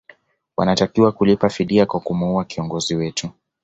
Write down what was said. wanatakiwa kulipa fidia kwa kumua kiongozi wetu